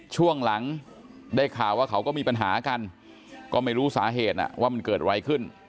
ช่วงหลังได้ข่าวว่าเขาก็มีปัญหากันก็ไม่รู้สาเหตุว่ามันเกิดอะไรขึ้น